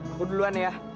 aku duluan ya